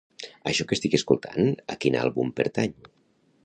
Això que estic escoltant a quin àlbum pertany?